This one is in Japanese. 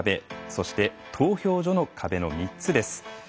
そして、投票所の壁の３つです。